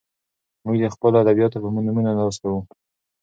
موږ د خپلو ادیبانو په نومونو ناز کوو.